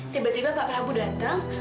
tiba tiba pak prabowo datang